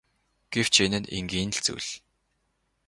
Гэвч энэ нь энгийн л зүйл.